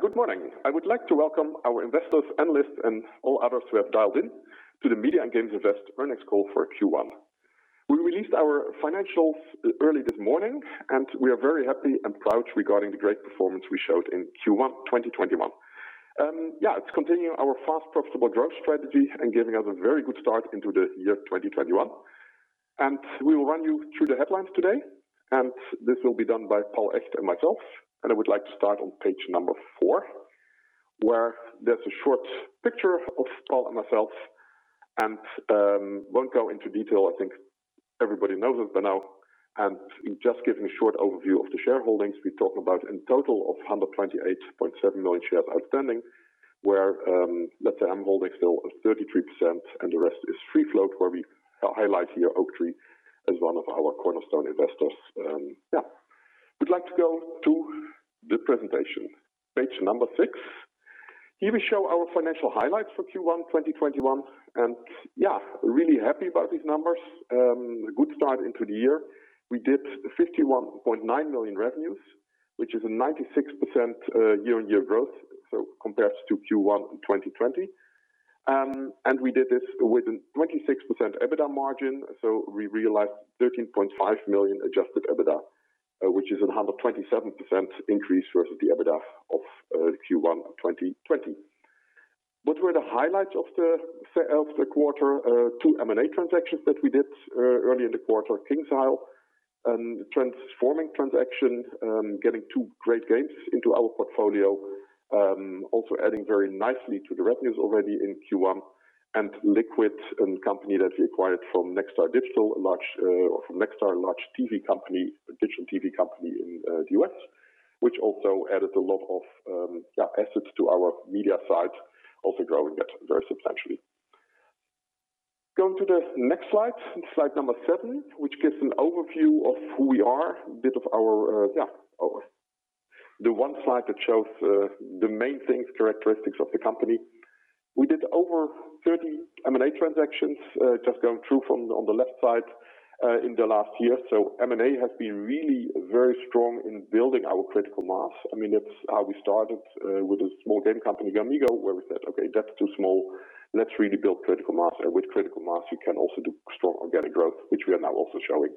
Good morning. I would like to welcome our investors, analysts, and all others who have dialed in to the Media and Games Invest earnings call for Q1. We released our financials early this morning, and we are very happy and proud regarding the great performance we showed in Q1 2021. It's continuing our fast, profitable growth strategy and giving us a very good start into the year 2021. We will run you through the headlines today, and this will be done by Paul Echt and myself. I would like to start on page number four, where there's a short picture of Paul and myself. Won't go into detail, I think everybody knows us by now, and just giving a short overview of the shareholdings. We talk about in total of 128.7 million shares outstanding, where let's say I'm holding still 33% and the rest is free float, where we highlight here Oaktree as one of our cornerstone investors. Yeah. We'd like to go to the presentation. Page number six. Here we show our financial highlights for Q1 2021. Yeah, really happy about these numbers. A good start into the year. We did 51.9 million revenues, which is a 96% year-on-year growth, so compared to Q1 in 2020. We did this with a 26% EBITDA margin, so we realized 13.5 million Adjusted EBITDA, which is 127% increase versus the EBITDA of Q1 2020. What were the highlights of the quarter? Two M&A transactions that we did early in the quarter. KingsIsle, a transforming transaction getting two great games into our portfolio. Also adding very nicely to the revenues already in Q1. LKQD, a company that we acquired from Nexstar large TV company, a digital TV company in the U.S., which also added a lot of assets to our media side, also growing it very substantially. Going to the next slide number seven, which gives an overview of who we are, the one slide that shows the main things, characteristics of the company. We did over 30 M&A transactions, just going through from on the left side, in the last year. M&A has been really very strong in building our critical mass. That's how we started with a small game company, Gamigo, where we said, "Okay, that's too small. Let's really build critical mass." With critical mass, we can also do strong organic growth, which we are now also showing.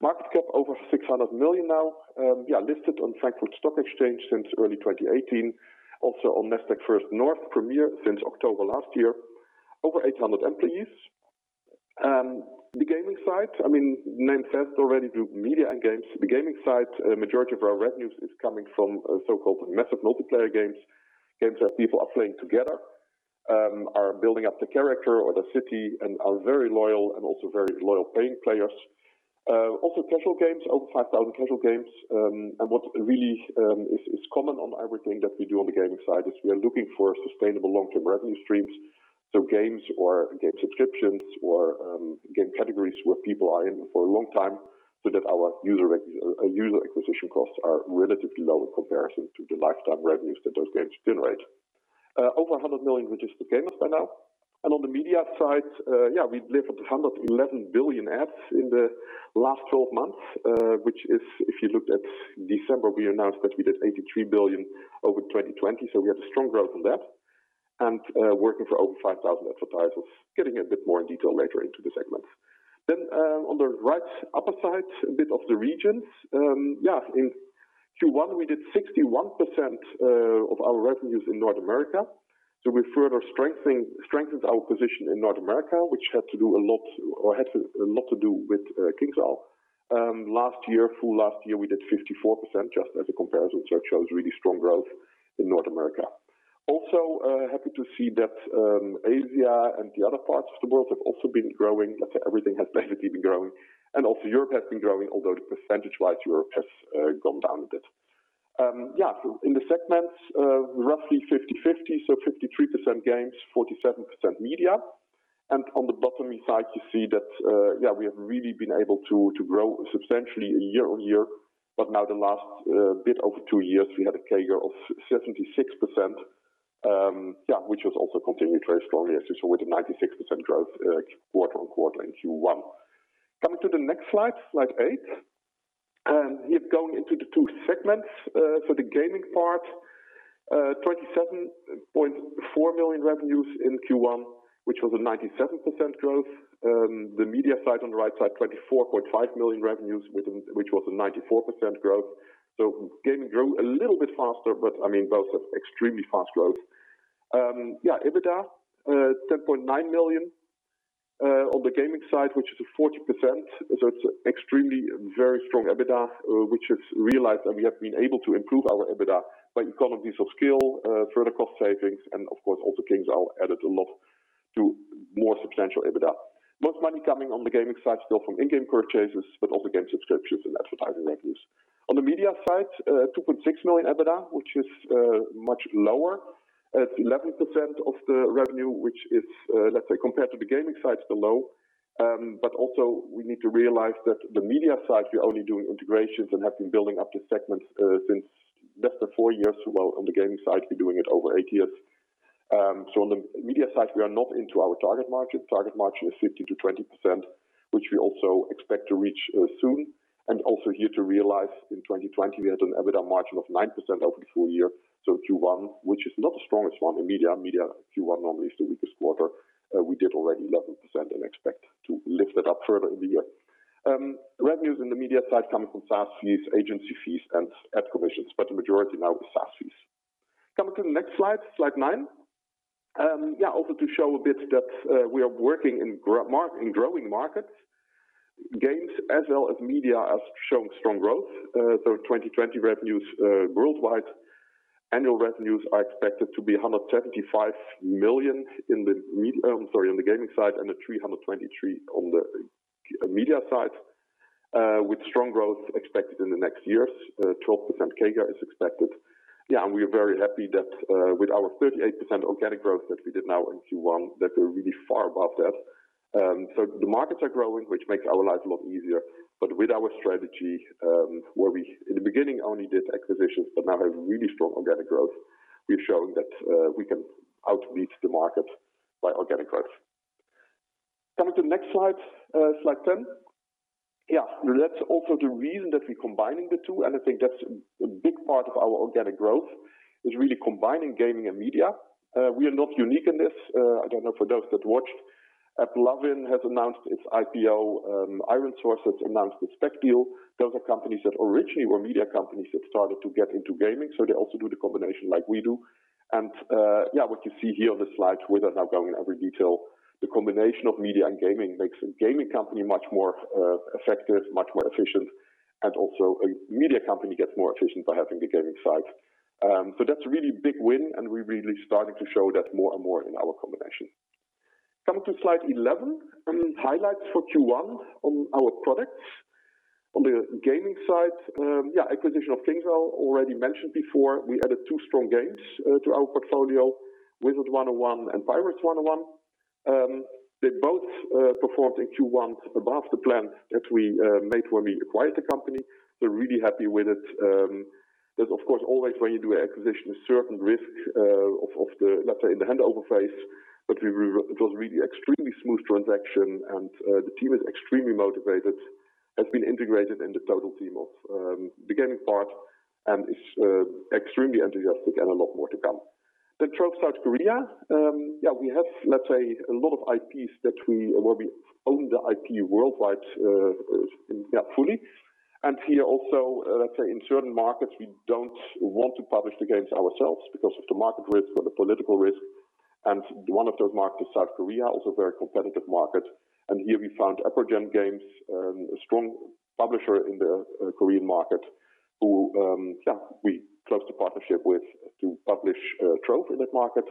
Market cap over 600 million now. Listed on Frankfurt Stock Exchange since early 2018. Also on Nasdaq First North Premier since October last year. Over 800 employees. The gaming side, named first already do media and games. The gaming side, a majority of our revenues is coming from so-called massive multiplayer games that people are playing together, are building up the character or the city and are very loyal and also very loyal paying players. Also casual games, over 5,000 casual games. What really is common on everything that we do on the gaming side is we are looking for sustainable long-term revenue streams. Games or game subscriptions or game categories where people are in for a long time so that our user acquisition costs are relatively low in comparison to the lifetime revenues that those games generate. Over 100 million registered gamers by now. On the media side, we delivered 111 billion ads in the last 12 months, which is if you looked at December, we announced that we did 83 billion over 2020. We had a strong growth on that. Working for over 5,000 advertisers. Getting a bit more in detail later into the segments. On the right upper side, a bit of the regions. In Q1, we did 61% of our revenues in North America. We further strengthened our position in North America, which had a lot to do with KingsIsle. Last year, full last year, we did 54%, just as a comparison. It shows really strong growth in North America. Also, happy to see that Asia and the other parts of the world have also been growing. Let's say everything has basically been growing. Also Europe has been growing, although percentage-wise, Europe has gone down a bit. In the segments, roughly 50/50, 53% games, 47% media. On the bottom side, you see that we have really been able to grow substantially year-over-year. Now the last bit over two years, we had a CAGR of 76%, which has also continued very strongly as you saw with the 96% growth quarter-over-quarter in Q1. Coming to the next slide eight. Here going into the two segments. For the gaming part, 27.4 million revenues in Q1, which was a 97% growth. The media side on the right side, 24.5 million revenues, which was a 94% growth. Gaming grew a little bit faster, but both have extremely fast growth. EBITDA 10.9 million on the gaming side, which is a 40%. It's extremely very strong EBITDA, which is realized, and we have been able to improve our EBITDA by economies of scale, further cost savings, and of course, also KingsIsle added a lot to more substantial EBITDA. Most money coming on the gaming side still from in-game purchases, but also game subscriptions and advertising revenues. On the media side, 2.6 million EBITDA, which is much lower at 11% of the revenue, which is, let's say, compared to the gaming side, is still low. Also we need to realize that the media side, we're only doing integrations and have been building up the segments since less than four years, while on the gaming side, we're doing it over eight years. On the media side, we are not into our target margin. Target margin is 15%-20%, which we also expect to reach soon. To realize in 2020, we had an EBITDA margin of 9% over the full year. Q1, which is not the strongest one in media. Media Q1 normally is the weakest quarter. We did already 11% and expect to lift that up further in the year. Revenues in the media side coming from SaaS fees, agency fees, and ad commissions. The majority now is SaaS fees. Coming to the next slide nine. To show a bit that we are working in growing markets. Games as well as media are showing strong growth. 2020 revenues worldwide, annual revenues are expected to be 175 million on the gaming side and 323 million on the media side, with strong growth expected in the next years. 12% CAGR is expected. Yeah, we are very happy that with our 38% organic growth that we did now in Q1, that we're really far above that. The markets are growing, which makes our lives a lot easier. With our strategy, where we, in the beginning, only did acquisitions but now have really strong organic growth, we've shown that we can outreach the market by organic growth. Coming to the next slide 10. Yeah, that's also the reason that we're combining the two, and I think that's a big part of our organic growth is really combining gaming and media. We are not unique in this. I don't know for those that watched, AppLovin has announced its IPO. ironSource has announced its SPAC deal. Those are companies that originally were media companies that started to get into gaming, so they also do the combination like we do. Yeah, what you see here on the slide without now going in every detail, the combination of media and gaming makes a gaming company much more effective, much more efficient, and also a media company gets more efficient by having the gaming side. That's a really big win, and we're really starting to show that more and more in our combination. Coming to slide 11. Highlights for Q1 on our products. On the gaming side, acquisition of KingsIsle, already mentioned before. We added two strong games to our portfolio, Wizard101 and Pirate101. They both performed in Q1 above the plan that we made when we acquired the company. We're really happy with it. There's, of course, always when you do acquisition, a certain risk, let's say, in the handover phase, but it was really extremely smooth transaction, and the team is extremely motivated, has been integrated in the total team of the gaming part, and is extremely enthusiastic and a lot more to come. Trove, South Korea. We have, let's say, a lot of IPs where we own the IP worldwide fully. Here also, let's say in certain markets, we don't want to publish the games ourselves because of the market risk or the political risk. One of those markets is South Korea, also a very competitive market. Here we found EPID Games, a strong publisher in the Korean market who we closed a partnership with to publish Trove in that market.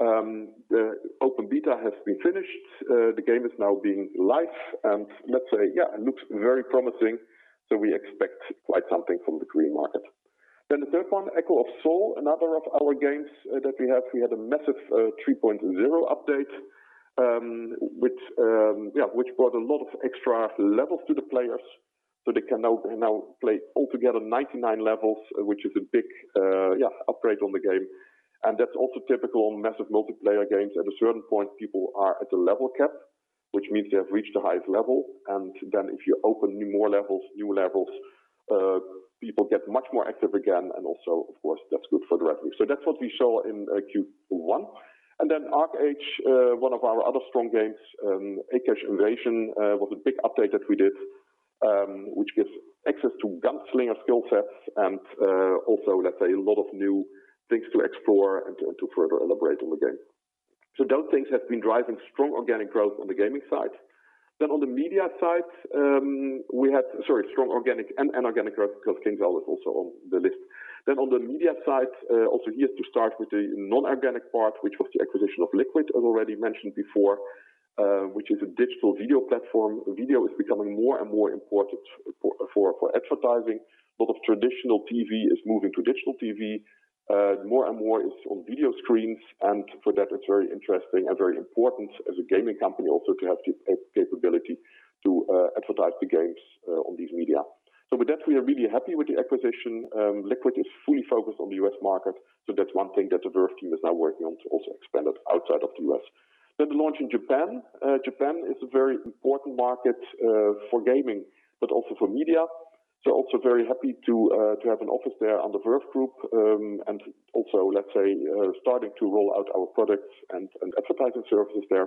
The open beta has been finished. The game is now being live and, let's say, it looks very promising. We expect quite something from the Korean market. The third one, Echo of Soul, another of our games that we have. We had a massive 3.0 update which brought a lot of extra levels to the players. They can now play altogether 99 levels, which is a big upgrade on the game. That's also typical on massive multiplayer games. At a certain point, people are at a level cap, which means they have reached the highest level. If you open more levels, new levels, people get much more active again, and also, of course, that's good for the revenue. That's what we saw in Q1. ArcheAge, one of our other strong games. Akasch Invasion was a big update that we did which gives access to gunslinger skill sets and also, let's say, a lot of new things to explore and to further elaborate on the game. Those things have been driving strong organic growth on the gaming side. On the media side, strong organic and inorganic growth because KingsIsle was also on the list. On the media side, also here to start with the non-organic part, which was the acquisition of LKQD, as already mentioned before, which is a digital video platform. Video is becoming more and more important for advertising. A lot of traditional TV is moving to digital TV. More and more is on video screens, for that it's very interesting and very important as a gaming company also to have the capability to advertise the games on these media. With that, we are really happy with the acquisition. LKQD is fully focused on the US market. That's one thing that the Verve team is now working on to also expand it outside of the U.S. The launch in Japan. Japan is a very important market for gaming, but also for media. Also very happy to have an office there on the Verve Group, and also, let's say, starting to roll out our products and advertising services there.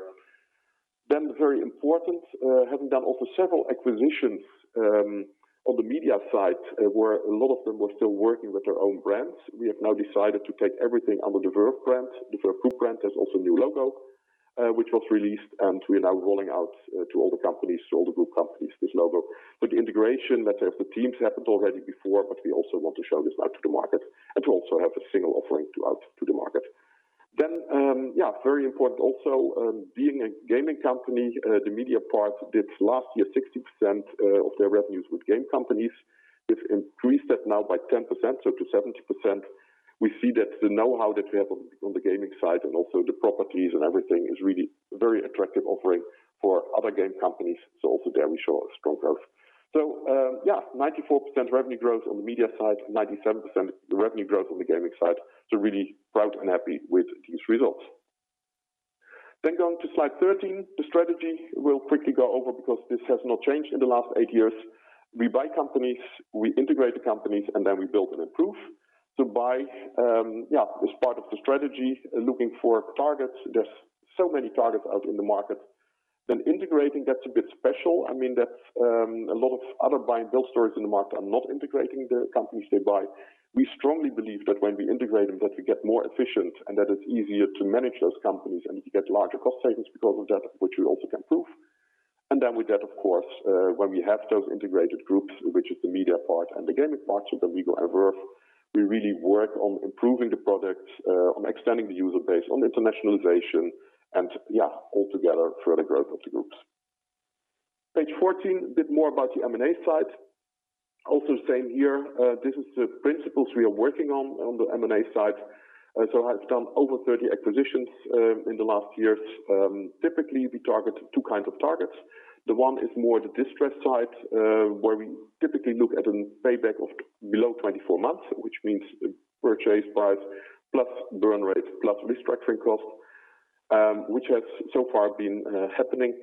Very important, having done also several acquisitions on the media side, where a lot of them were still working with their own brands. We have now decided to take everything under the Verve brand. The Verve Group brand. There's also a new logo which was released, and we are now rolling out to all the companies, to all the group companies, this logo. The integration, let's say, of the teams happened already before, but we also want to show this now to the market and to also have a single offering out to the market. Very important also, being a gaming company, the media part did last year 60% of their revenues with game companies. We've increased that now by 10%, so to 70%. We see that the know-how that we have on the gaming side and also the properties and everything is really a very attractive offering for other game companies. Also there we show strong growth. Yes, 94% revenue growth on the media side, 97% the revenue growth on the gaming side. Really proud and happy with these results. Going to slide 13, the strategy. We'll quickly go over because this has not changed in the last eight years. We buy companies, we integrate the companies, we build and improve. To buy is part of the strategy, looking for targets. There is so many targets out in the market. Integrating, that is a bit special. I mean, that is a lot of other buy and build stores in the market are not integrating the companies they buy. We strongly believe that when we integrate them, that we get more efficient and that it is easier to manage those companies and you get larger cost savings because of that, which we also can prove. With that, of course, when we have those integrated groups, which is the media part and the gaming part, so the Gamigo and Verve, we really work on improving the products, on extending the user base, on internationalization and, yeah, all together for the growth of the groups. Page 14, a bit more about the M&A side. Also same here. This is the principles we are working on the M&A side. Have done over 30 acquisitions in the last years. Typically, we target two kinds of targets. The one is more the distressed side, where we typically look at a payback of below 24 months, which means purchase price plus burn rate, plus restructuring costs, which has so far been happening.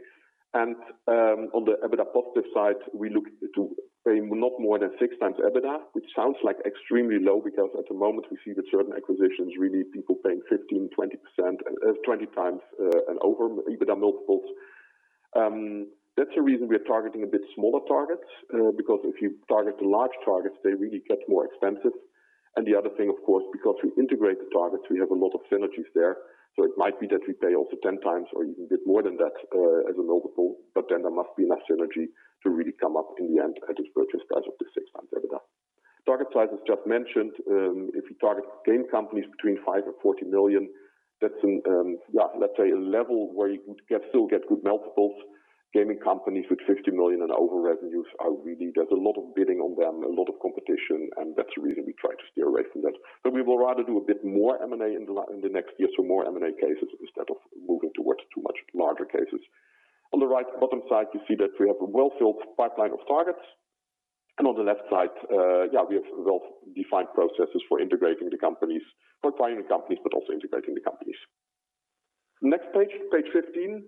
On the EBITDA positive side, we look to pay not more than 6x EBITDA, which sounds like extremely low because at the moment we see that certain acquisitions really people paying 15x, 20x, and over EBITDA multiples. That's the reason we are targeting a bit smaller targets. Because if you target the large targets, they really get more expensive. The other thing, of course, because we integrate the targets, we have a lot of synergies there. It might be that we pay also 10x or even a bit more than that as a multiple. Then there must be enough synergy to really come up in the end at this purchase price of the 6x EBITDA. Target sizes just mentioned, if you target game companies between 5 million and 40 million, that's a level where you could still get good multiples. Gaming companies with 50 million and over revenues are really, there's a lot of bidding on them, a lot of competition, and that's the reason we try to steer away from that. We will rather do a bit more M&A in the next years or more M&A cases instead of moving towards too much larger cases. On the right bottom side, you see that we have a well-filled pipeline of targets. On the left side, we have well-defined processes for integrating the companies. For acquiring the companies, but also integrating the companies. Next page 15.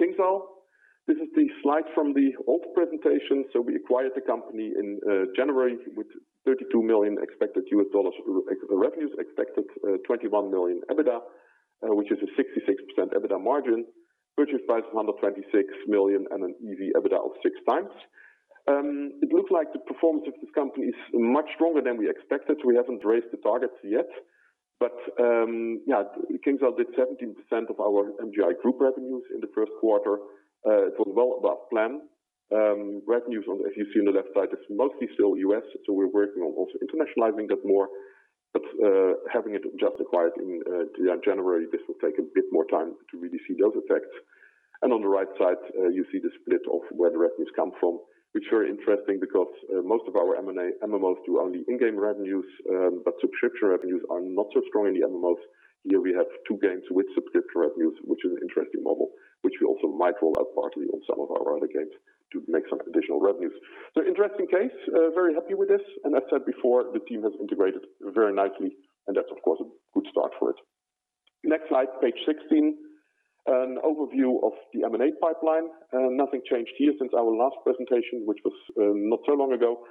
KingsIsle. This is the slide from the old presentation. We acquired the company in January with $32 million expected US dollars of revenues, expected 21 million EBITDA, which is a 66% EBITDA margin. Purchase price of 126 million and an EV/EBITDA of 6x. It looks like the performance of this company is much stronger than we expected. We haven't raised the targets yet. KingsIsle did 17% of our MGI Group revenues in the first quarter. It was well above plan. Revenues on, as you see on the left side, is mostly still U.S., so we're working on also internationalizing that more. Having it just acquired in January, this will take a bit more time to really see those effects. On the right side, you see the split of where the revenues come from. Which are interesting because most of our M&A MMOs do only in-game revenues, but subscription revenues are not so strong in the MMOs. Here we have two games with subscription revenues, which is an interesting model, which we also might roll out partly on some of our other games to make some additional revenues. Interesting case, very happy with this. I said before, the team has integrated very nicely, and that's of course, a good start for it. Next slide, page 16. An overview of the M&A pipeline. Nothing changed here since our last presentation, which was not so long ago.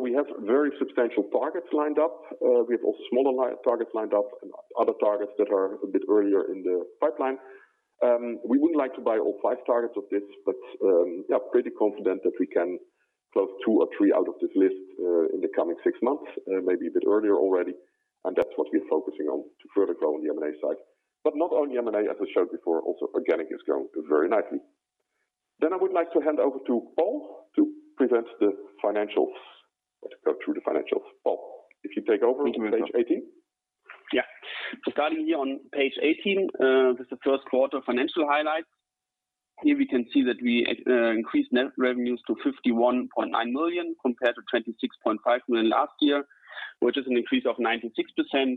We have very substantial targets lined up. We have also smaller targets lined up and other targets that are a bit earlier in the pipeline. We wouldn't like to buy all five targets of this, but yeah, pretty confident that we can close two or three out of this list in the coming six months, maybe a bit earlier already. That's what we are focusing on to further grow on the M&A side. Not only M&A, as I showed before, also organic is going very nicely. I would like to hand over to Paul to present the financials. Let's go through the financials. Paul, if you take over to page 18. Yeah. Starting here on page 18, this is the first quarter financial highlights. Here we can see that we increased net revenues to 51.9 million compared to 26.5 million last year, which is an increase of 96%,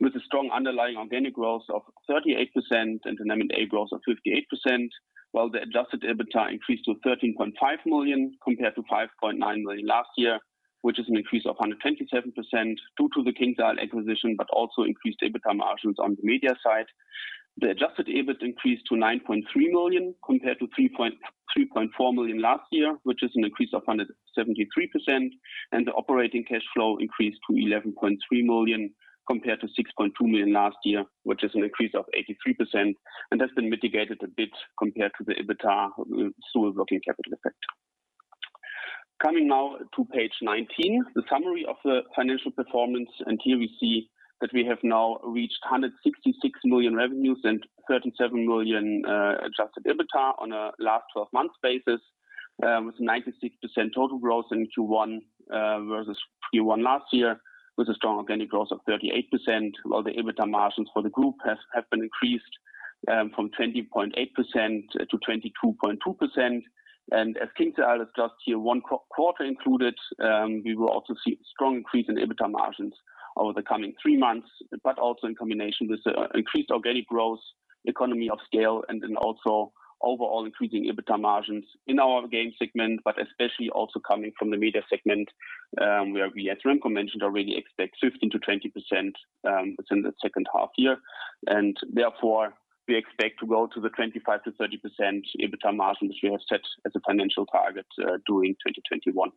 with a strong underlying organic growth of 38% and an M&A growth of 58%, while the adjusted EBITDA increased to 13.5 million compared to 5.9 million last year, which is an increase of 127% due to the KingsIsle acquisition, but also increased EBITDA margins on the media side. The adjusted EBIT increased to 9.3 million compared to 3.4 million last year, which is an increase of 173%, and the operating cash flow increased to 11.3 million compared to 6.2 million last year, which is an increase of 83% and has been mitigated a bit compared to the EBITDA through a working capital effect. Coming now to page 19, the summary of the financial performance, and here we see that we have now reached 166 million revenues and 37 million adjusted EBITDA on a last 12 months basis, with 96% total growth in Q1 versus Q1 last year, with a strong organic growth of 38%, while the EBITDA margins for the group have been increased from 20.8%-22.2%. As KingsIsle is just here one quarter included, we will also see strong increase in EBITDA margins over the coming three months, but also in combination with the increased organic growth economy of scale and then also overall increasing EBITDA margins in our game segment, but especially also coming from the media segment, where we, as Remco mentioned already, expect 15%-20% within the second half year. Therefore, we expect to go to the 25%-30% EBITDA margins we have set as a financial target during 2021.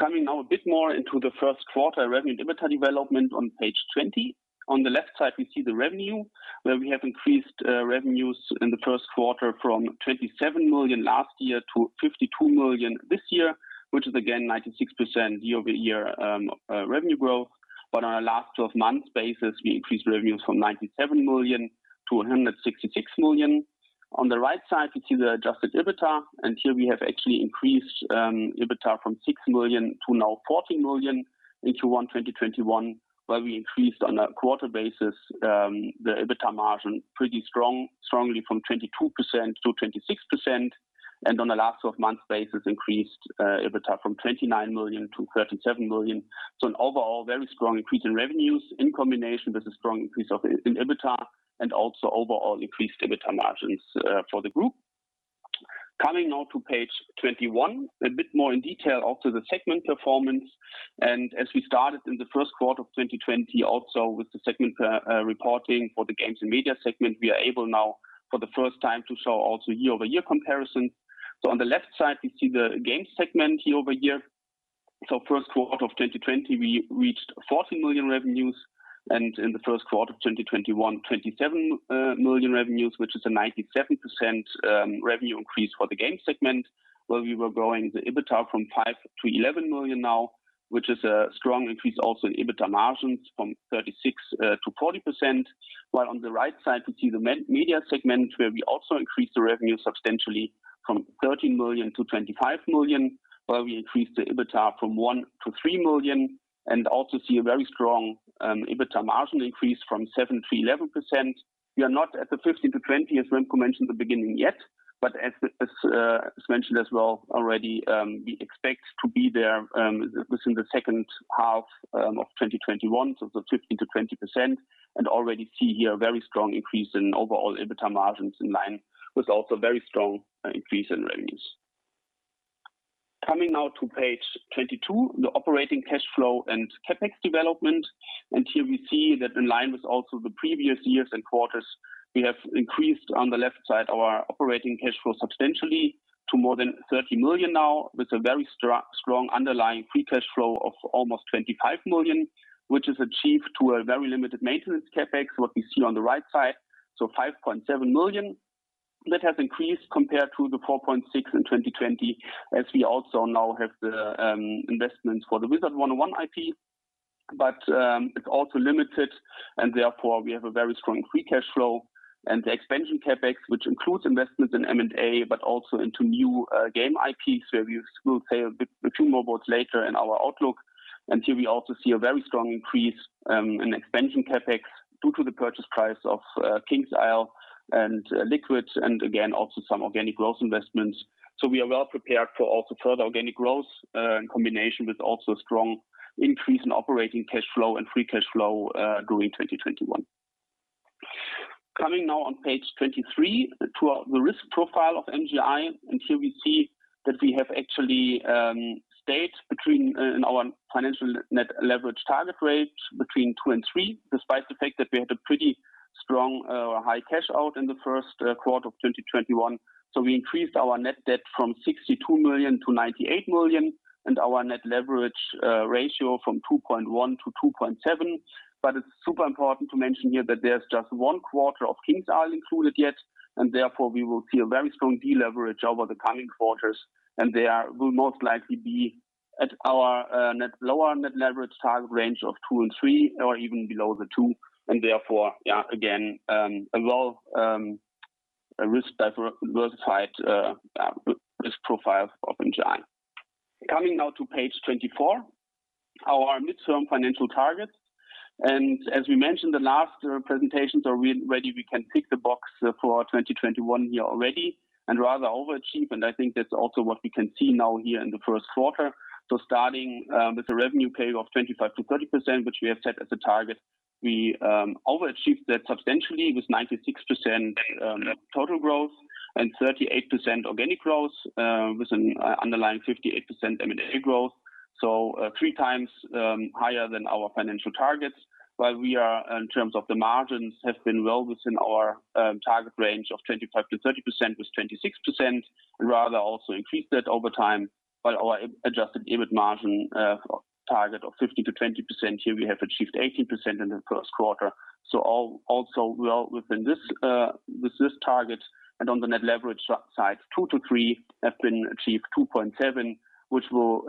Coming now a bit more into the first quarter revenue EBITDA development on page 20. On the left side, we see the revenue, where we have increased revenues in the first quarter from 27 million last year to 52 million this year, which is again 96% year-over-year revenue growth. On a last 12 months basis, we increased revenues from 97 million to 166 million. On the right side, we see the Adjusted EBITDA, and here we have actually increased EBITDA from 6 million to now 14 million into Q1 2021, where we increased on a quarter basis the EBITDA margin pretty strongly from 22%-26%, and on the last 12 months basis increased EBITDA from 29 million-37 million. An overall very strong increase in revenues in combination with a strong increase in EBITDA and also overall increased EBITDA margins for the group. Coming now to page 21, a bit more in detail also the segment performance. As we started in the first quarter of 2020 also with the segment reporting for the games and media segment, we are able now for the first time to show also year-over-year comparison. On the left side, we see the gaming segment year-over-year. First quarter of 2020, we reached 14 million revenues, and in the first quarter of 2021, 27 million revenues, which is a 97% revenue increase for the gaming segment, where we were growing the EBITDA from 5 million to 11 million now, which is a strong increase also in EBITDA margins from 36%-40%. On the right side, we see the media segment, where we also increased the revenue substantially from 13 million-25 million, where we increased the EBITDA from 1 million-3 million and also see a very strong EBITDA margin increase from 7%-11%. We are not at the 15%-20% as Remco mentioned at the beginning yet, but as mentioned as well already, we expect to be there within the second half of 2021, so the 15%-20%, and already see here a very strong increase in overall EBITDA margins in line with also very strong increase in revenues. Coming now to page 22, the operating cash flow and CapEx development. Here we see that in line with also the previous years and quarters, we have increased on the left side our operating cash flow substantially to more than 30 million now with a very strong underlying free cash flow of almost 25 million, which is achieved to a very limited maintenance CapEx, what we see on the right side, so 5.7 million. That has increased compared to the 4.6 in 2020, as we also now have the investments for the Wizard101 IP. It's also limited, and therefore we have a very strong free cash flow. The expansion CapEx, which includes investments in M&A, but also into new game IPs, where we will say a bit two more words later in our outlook. Here we also see a very strong increase in expansion CapEx due to the purchase price of KingsIsle and LKQD, and again, also some organic growth investments. We are well prepared for also further organic growth in combination with also strong increase in operating cash flow and free cash flow during 2021. Coming now on page 23 to the risk profile of MGI. Here we see that we have actually stayed between in our financial net leverage target range between two and three, despite the fact that we had a pretty strong high cash out in the first quarter of 2021. We increased our net debt from 62 million-EUR98 million and our net leverage ratio from 2.1-2.7. It's super important to mention here that there's just one quarter of KingsIsle included yet, and therefore we will see a very strong deleverage over the coming quarters, and they will most likely be at our lower net leverage target range of two and three or even below the two, and therefore, yeah, again, a well risk diversified risk profile of MGI. Coming now to page 24, our midterm financial targets. As we mentioned, the last presentations are ready. We can tick the box for 2021 here already and rather overachieve, and I think that's also what we can see now here in the first quarter. Starting with the revenue page of 25%-30%, which we have set as a target, we overachieved that substantially with 96% net total growth and 38% organic growth with an underlying 58% M&A growth. Three times higher than our financial targets. While we are in terms of the margins have been well within our target range of 25%-30% with 26%, rather also increase that over time. Our adjusted EBIT margin target of 15%-20%, here we have achieved 18% in the first quarter. Also well within this target and on the net leverage side, two to three have been achieved, 2.7, which will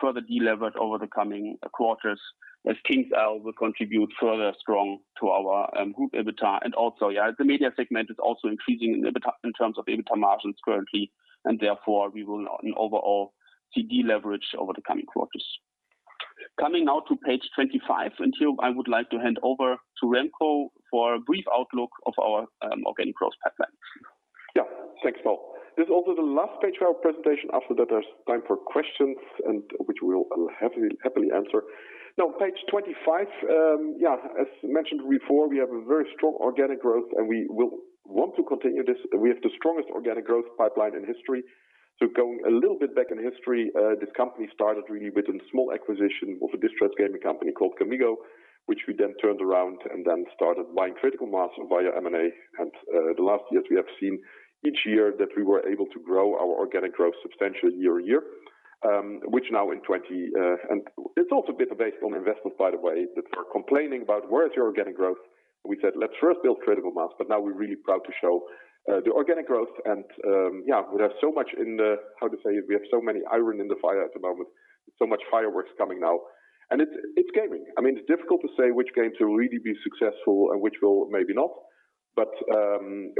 further delevered over the coming quarters as KingsIsle will contribute further strong to our group EBITDA. Also, the media segment is also increasing in terms of EBITDA margins currently, and therefore we will overall see deleverage over the coming quarters. Coming now to page 25. Here, I would like to hand over to Remco for a brief outlook of our organic growth pipeline. Yeah. Thanks, Paul. This is also the last page for our presentation. After that, there's time for questions, which we will happily answer. Page 25, as mentioned before, we have a very strong organic growth, and we will want to continue this. We have the strongest organic growth pipeline in history. Going a little bit back in history, this company started really with a small acquisition of a distressed gaming company called Gamigo, which we then turned around and then started buying critical mass via M&A. The last years, we have seen each year that we were able to grow our organic growth substantially year-on-year. It's also a bit based on investments, by the way. If we're complaining about where is your organic growth, we said, let's first build critical mass, but now we're really proud to show the organic growth. We have so many iron in the fire at the moment. So much fireworks coming now. It's gaming. It's difficult to say which game will really be successful and which will maybe not, but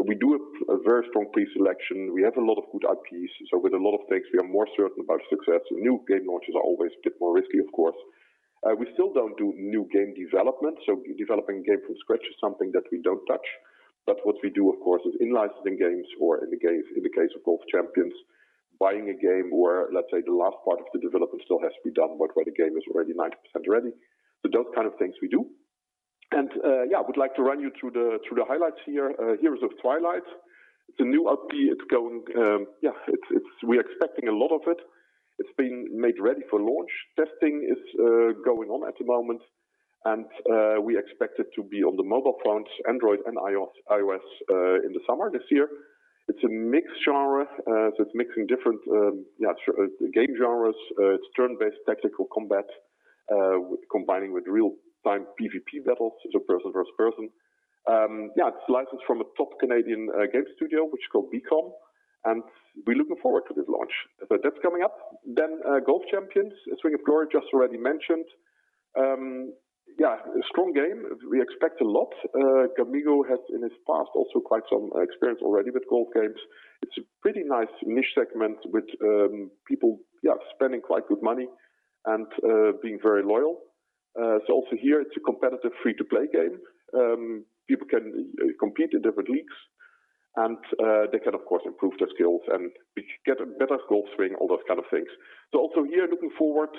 we do a very strong pre-selection. We have a lot of good IPs. With a lot of things, we are more certain about success. New game launches are always a bit more risky, of course. We still don't do new game development. Developing a game from scratch is something that we don't touch. What we do, of course, is in licensing games or in the case of Golf Champions, buying a game where, let's say, the last part of the development still has to be done, but where the game is already 90% ready. Those kind of things we do. Would like to run you through the highlights here. Heroes of Twilight, it's a new IP. We're expecting a lot of it. It's been made ready for launch. Testing is going on at the moment. We expect it to be on the mobile phones, Android and iOS, in the summer this year. It's a mixed genre. It's mixing different game genres. It's turn-based tactical combat, combining with real-time PVP battles, person versus person. It's licensed from a top Canadian game studio, which is called Beenox. We're looking forward to this launch. That's coming up. Golf Champions: Swing of Glory, just already mentioned. A strong game. We expect a lot. Gamigo has in its past also quite some experience already with golf games. It's a pretty nice niche segment with people spending quite good money and being very loyal. Also here, it's a competitive free-to-play game. People can compete in different leagues, and they can, of course, improve their skills and get a better golf swing, all those kind of things. Also here, looking forward,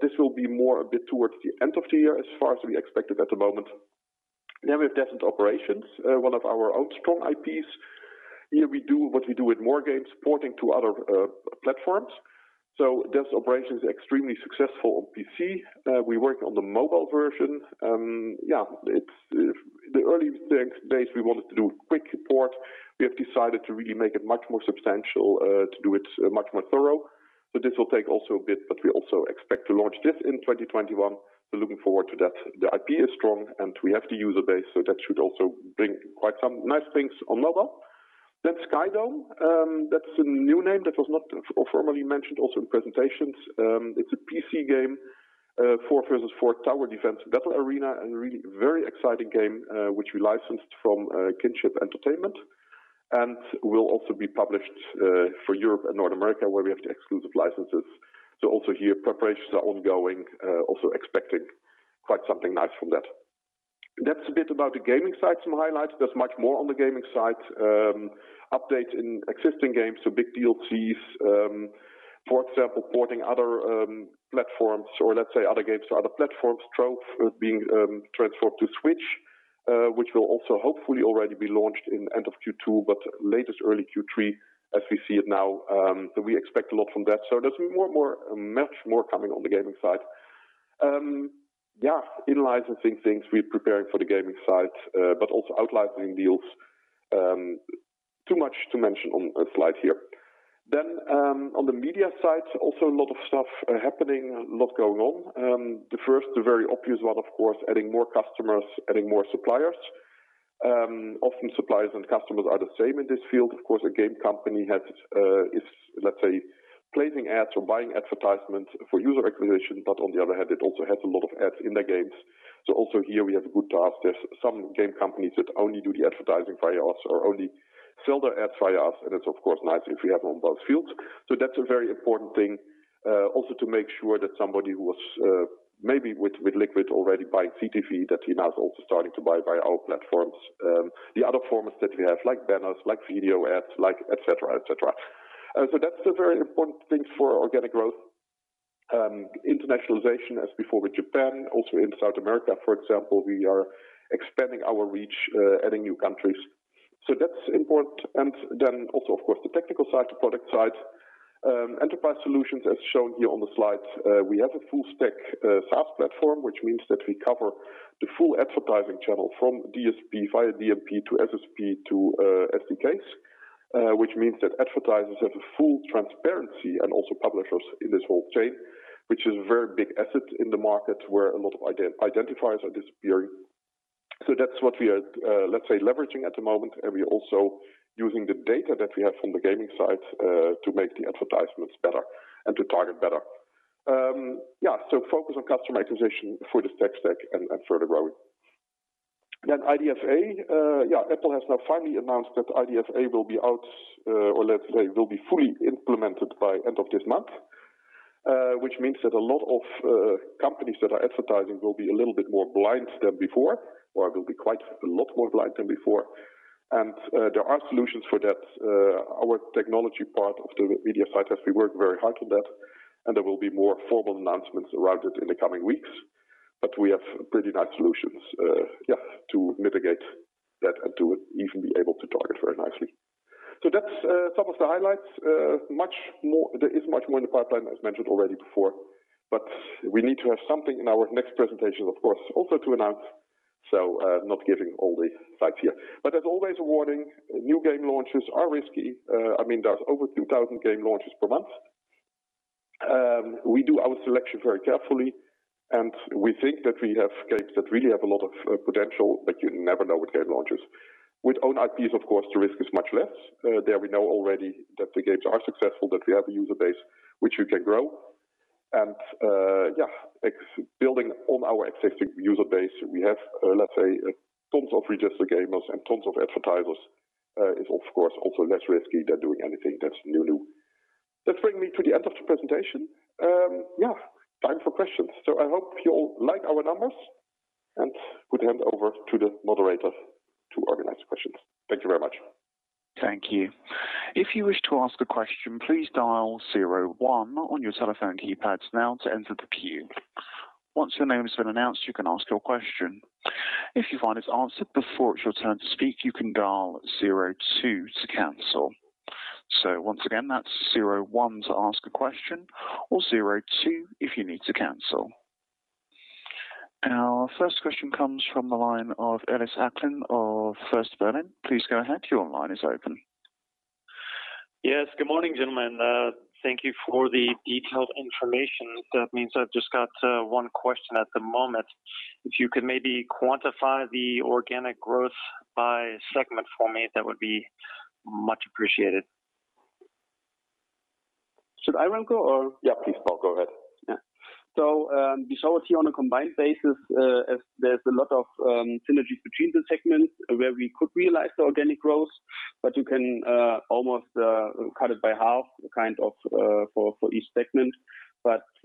this will be more a bit towards the end of the year as far as we expect it at the moment. We have Desert Operations, one of our own strong IPs. Here what we do with more games, porting to other platforms. Desert Operations is extremely successful on PC. We work on the mobile version. The early days, we wanted to do a quick port. We have decided to really make it much more substantial, to do it much more thorough. This will take also a bit, but we also expect to launch this in 2021. We're looking forward to that. The IP is strong, and we have the user base, so that should also bring quite some nice things on mobile. Skydome. That's a new name that was not formally mentioned also in presentations. It's a PC game, four versus four tower defense battle arena, and really very exciting game, which we licensed from Kinship Entertainment. Will also be published for Europe and North America, where we have the exclusive licenses. Also here, preparations are ongoing. Also expecting quite something nice from that. That's a bit about the gaming side, some highlights. There's much more on the gaming side. Updates in existing games, so big DLCs. For example, porting other platforms, or let's say other games to other platforms. Trove being transferred to Switch, which will also hopefully already be launched in end of Q2, but latest early Q3 as we see it now. We expect a lot from that. There's much more coming on the gaming side. In licensing things, we're preparing for the gaming side, but also out-licensing deals. Too much to mention on a slide here. On the media side, also a lot of stuff happening, a lot going on. The first, the very obvious one, of course, adding more customers, adding more suppliers. Often suppliers and customers are the same in this field. Of course, a game company is, let's say, placing ads or buying advertisements for user acquisition, but on the other hand, it also has a lot of ads in their games. Also here we have a good task. There's some game companies that only do the advertising via us or only sell their ads via us, and it's of course nice if we have on both fields. That's a very important thing. To make sure that somebody who was maybe with LKQD already buying CTV, that he now is also starting to buy via our platforms. The other formats that we have, like banners, like video ads, like et cetera. That's a very important thing for organic growth. Internationalization, as before with Japan, also in South America, for example, we are expanding our reach, adding new countries. That's important. Of course, the technical side, the product side. Enterprise solutions, as shown here on the slide. We have a full stack SaaS platform, which means that we cover the full advertising channel from DSP via DMP to SSP to SDKs. Which means that advertisers have a full transparency and also publishers in this whole chain, which is a very big asset in the market where a lot of identifiers are disappearing. That's what we are, let's say, leveraging at the moment. We are also using the data that we have from the gaming side to make the advertisements better and to target better. Focus on customer acquisition for this tech stack and for the growth. IDFA. Apple has now finally announced that IDFA will be out, or let's say, will be fully implemented by end of this month. Which means that a lot of companies that are advertising will be a little bit more blind than before, or will be quite a lot more blind than before. There are solutions for that. Our technology part of the media side has been working very hard on that, and there will be more formal announcements around it in the coming weeks. We have pretty nice solutions to mitigate that and to even be able to target very nicely. That's some of the highlights. There is much more in the pipeline, as mentioned already before, we need to have something in our next presentation, of course, also to announce, not giving all the slides here. As always a warning, new game launches are risky. There are over 2,000 game launches per month. We do our selection very carefully, we think that we have games that really have a lot of potential, you never know with game launches. With own IPs, of course, the risk is much less. There we know already that the games are successful, that we have a user base which we can grow. Yeah, building on our existing user base, we have, let's say, tons of registered gamers and tons of advertisers, is, of course, also less risky than doing anything that's new. That brings me to the end of the presentation. Yeah. Time for questions. I hope you all like our numbers, and would hand over to the moderator to organize the questions. Thank you very much. Thank you. If you wish to ask a question, please dial zero one on your telephone keypads now to enter the queue. Once your name has been announced, you can ask your question. If you find it's answered before it's your turn to speak, you can dial zero two to cancel. Once again, that's zero one to ask a question or zero two if you need to cancel. Our first question comes from the line of Ellis Acklin of First Berlin. Please go ahead. Your line is open. Yes. Good morning, gentlemen. Thank you for the detailed information. That means I've just got one question at the moment. If you could maybe quantify the organic growth by segment for me, that would be much appreciated. Should I go or? Yeah, please, Paul, go ahead. We saw it here on a combined basis, as there's a lot of synergies between the segments where we could realize the organic growth, but you can almost cut it by half for each segment.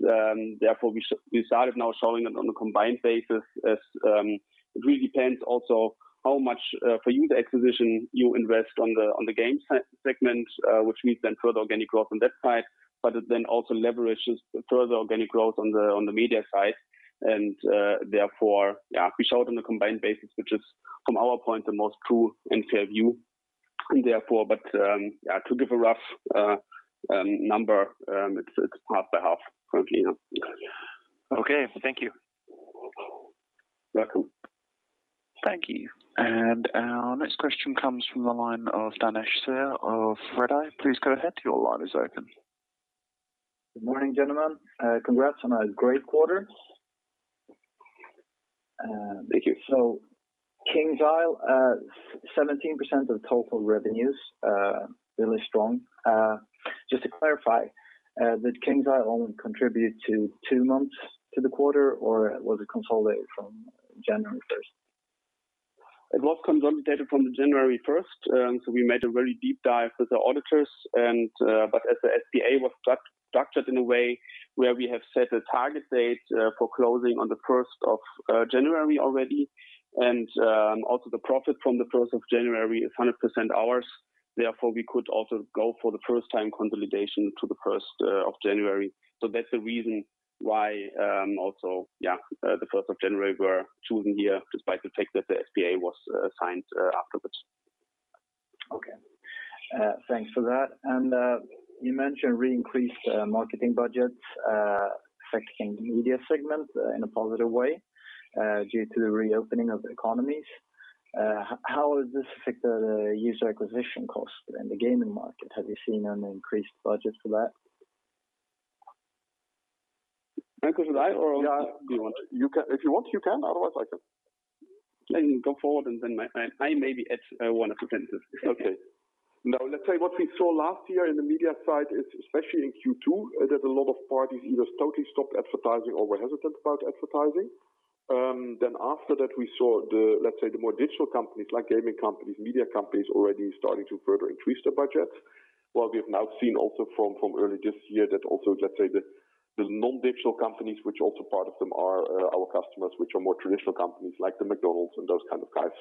Therefore, we started now showing it on a combined basis as it really depends also how much for user acquisition you invest on the games segment, which means then further organic growth on that side, but it then also leverages further organic growth on the media side. Therefore, we show it on a combined basis, which is, from our point, the most true and fair view, therefore. To give a rough number, it's half by half currently now. Okay. Thank you. You're welcome. Thank you. Our next question comes from the line of Danesh Zare of RedEye. Please go ahead. Your line is open. Good morning, gentlemen. Congrats on a great quarter. Thank you. KingsIsle, 17% of total revenues. Really strong. Just to clarify, did KingsIsle only contribute two months to the quarter, or was it consolidated from January 1st? It was consolidated from the January 1st. We made a very deep dive with the auditors. As the SPA was structured in a way where we have set a target date for closing on the 1st of January already and also the profit from the 1st of January is 100% ours, therefore, we could also go for the first time consolidation to the 1st of January. That's the reason why also, yeah, the 1st of January were chosen here, despite the fact that the SPA was signed afterwards. Okay. Thanks for that. You mentioned re increased marketing budgets affecting media segment in a positive way due to the reopening of the economies. How will this affect the user acquisition cost in the gaming market? Have you seen an increased budget for that? That question I or? Yeah. You want. If you want, you can. Otherwise, I can. Go forward and then I maybe add one or two sentences. Now, let's say what we saw last year in the media side is, especially in Q2, that a lot of parties either totally stopped advertising or were hesitant about advertising. After that, we saw the, let's say the more digital companies like gaming companies, media companies, already starting to further increase their budgets. While we have now seen also from early this year that also, let's say the non-digital companies, which also part of them are our customers, which are more traditional companies like the McDonald's and those kind of guys,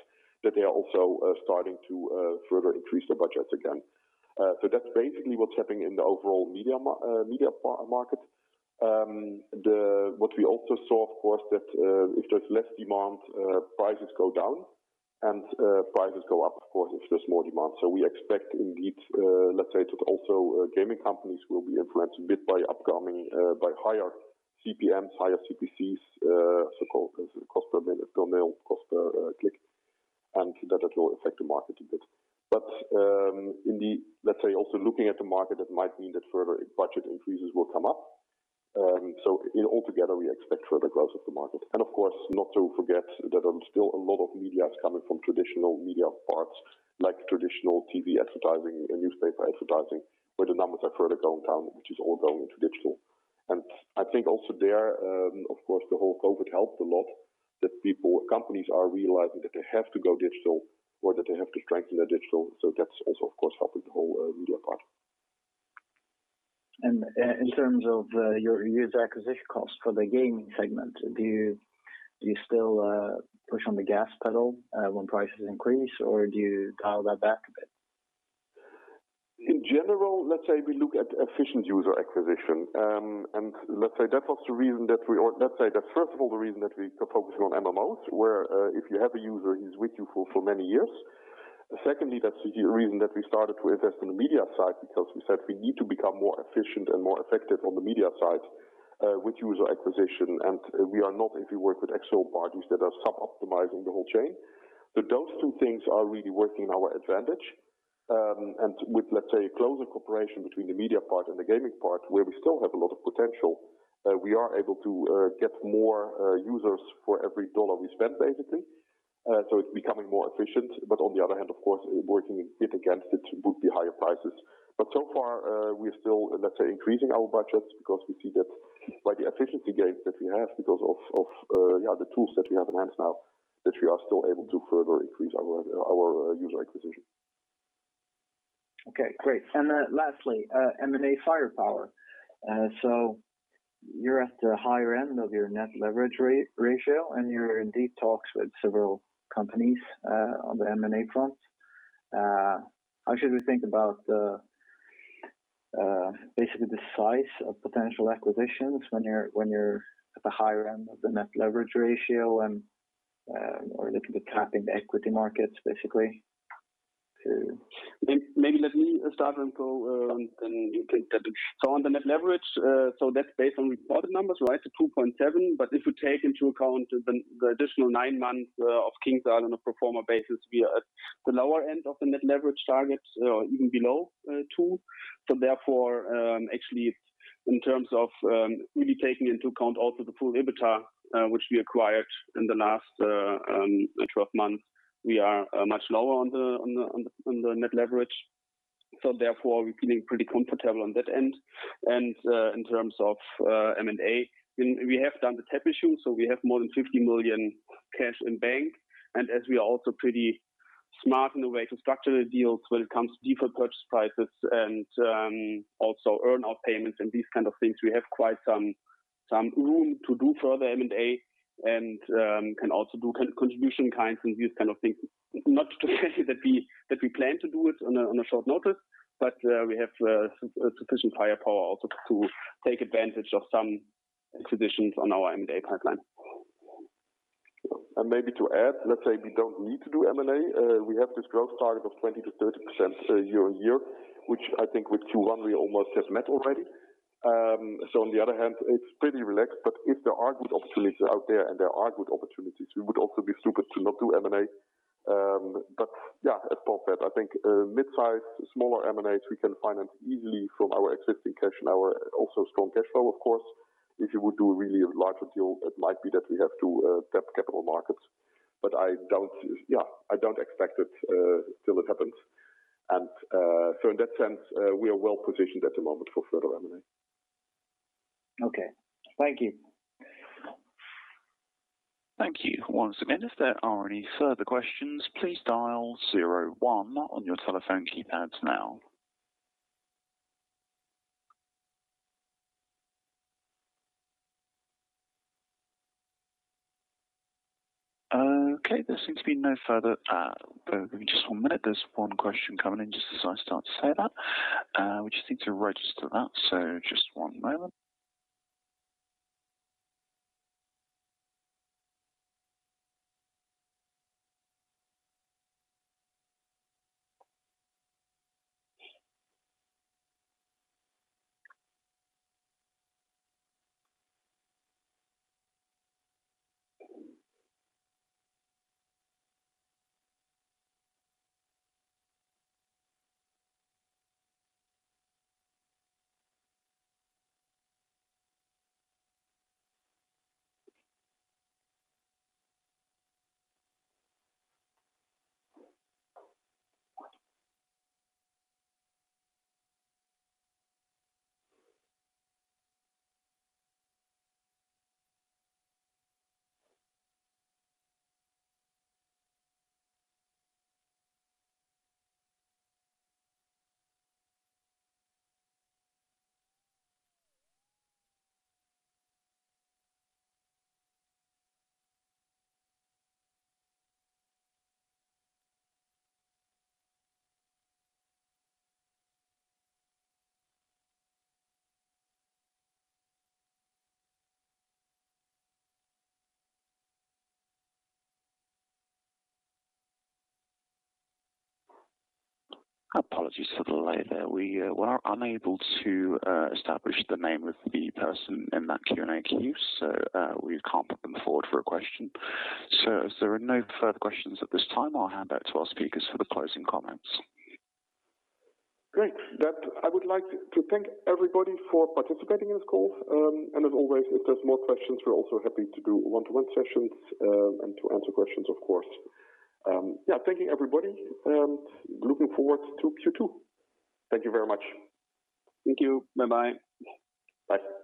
that they are also starting to further increase their budgets again. That's basically what's happening in the overall media market. What we also saw, of course, that if there's less demand, prices go down, and prices go up, of course, if there's more demand. We expect indeed, let's say that also gaming companies will be influenced a bit by upcoming, by higher CPMs, higher CPCs, so-called cost per mille, cost per click, and that it will affect the market a bit. Indeed, let's say also looking at the market, that might mean that further budget increases will come up. In altogether, we expect further growth of the market. Of course, not to forget that there are still a lot of media-Traditional media parts like traditional TV advertising and newspaper advertising, where the numbers are further going down, which is all going to digital. I think also there, of course, the whole COVID helped a lot that companies are realizing that they have to go digital or that they have to strengthen their digital. That's also, of course, helping the whole media part. In terms of your user acquisition cost for the gaming segment, do you still push on the gas pedal when prices increase, or do you dial that back a bit? In general, let's say we look at efficient user acquisition. Let's say that, first of all, the reason that we are focusing on MMOs, where if you have a user, he's with you for many years. Secondly, that's the reason that we started to invest in the media side because we said we need to become more efficient and more effective on the media side with user acquisition. We are not, if you work with external parties that are sub-optimizing the whole chain. Those two things are really working in our advantage. With, let's say, closer cooperation between the media part and the gaming part, where we still have a lot of potential, we are able to get more users for every dollar we spend basically. It's becoming more efficient. On the other hand, of course, working it against it would be higher prices. So far, we're still, let's say, increasing our budgets because we see that by the efficiency gains that we have because of the tools that we have at hand now, that we are still able to further increase our user acquisition. Okay, great. Lastly, M&A firepower. You're at the higher end of your net leverage ratio, and you're in deep talks with several companies on the M&A front. How should we think about basically the size of potential acquisitions when you're at the higher end of the net leverage ratio and/or looking to tap in the equity markets basically? Maybe let me start, and you can jump in. On the net leverage, that's based on reported numbers, right to 2.7. If you take into account the additional nine months of KingsIsle on a pro forma basis, we are at the lower end of the net leverage targets or even below two. Therefore, actually, in terms of really taking into account also the full EBITDA which we acquired in the last 12 months, we are much lower on the net leverage. Therefore, we're feeling pretty comfortable on that end. In terms of M&A, we have done the tap issue, we have more than 50 million cash in bank. As we are also pretty smart in the way to structure the deals when it comes to deferred purchase prices and also earn out payments and these kinds of things, we have quite some room to do further M&A and can also do contribution kinds and these kind of things. Not to say that we plan to do it on a short notice, but we have sufficient firepower also to take advantage of some acquisitions on our M&A pipeline. Maybe to add, let's say we don't need to do M&A. We have this growth target of 20%-30% year-on-year, which I think with Q1 we almost have met already. On the other hand, it's pretty relaxed, but if there are good opportunities out there, and there are good opportunities, we would also be stupid to not do M&A. Yeah, above that, I think mid-size, smaller M&As, we can finance easily from our existing cash and our also strong cash flow, of course. If you would do a really larger deal, it might be that we have to tap capital markets, but I don't expect it till it happens. In that sense, we are well positioned at the moment for further M&A. Okay. Thank you. Thank you. Once again, if there are any further questions, please dial zero one on your telephone keypads now. Okay, there seems to be no further. Give me just one minute. There's one question coming in just as I start to say that. We just need to register that, so just one moment. Apologies for the delay there. We were unable to establish the name of the person in that Q&A queue, so we can't put them forward for a question. As there are no further questions at this time, I'll hand back to our speakers for the closing comments. Great. I would like to thank everybody for participating in this call. As always, if there's more questions, we're also happy to do one-to-one sessions and to answer questions, of course. Thank you, everybody, and looking forward to Q2. Thank you very much. Thank you. Bye-bye. Bye.